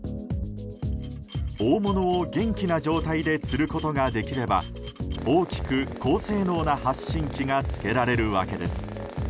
大物を元気な状態で釣ることができれば大きく高性能な発信器がつけられるわけです。